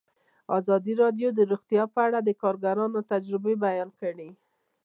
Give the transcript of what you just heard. ازادي راډیو د روغتیا په اړه د کارګرانو تجربې بیان کړي.